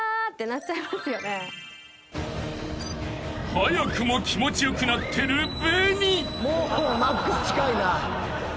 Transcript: ［早くも気持ち良くなってるＢＥＮＩ］